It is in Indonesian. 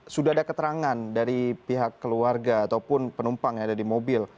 sudah ada keterangan dari pihak keluarga ataupun penumpang yang ada di mobil